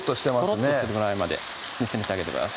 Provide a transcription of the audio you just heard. とろっとするぐらいまで煮詰めてあげてください